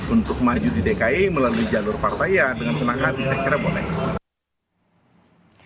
untuk maju di dki melalui jalur partai ya dengan senang hati saya kira boleh